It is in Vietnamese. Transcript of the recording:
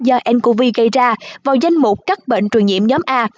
do ncov gây ra vào danh mục các bệnh truyền nhiễm nhóm a